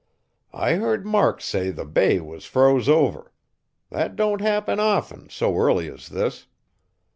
I heard Mark say the bay was froze over. That don't happen often, so early as this."